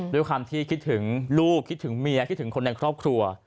ด้วยความที่คิดถึงลูกคิดถึงเมียคิดถึงคนในครอบครัว